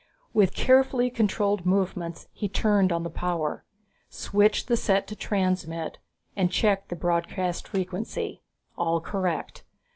With carefully controlled movements he turned on the power, switched the set to transmit, and checked the broadcast frequency. All correct.